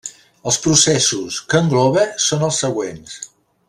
Els processos que engloba són els següents.